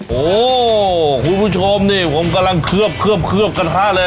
โหคุณผู้ชมนี่ผมกำลังเคลือบเคลือบเคลือบกระทะเลย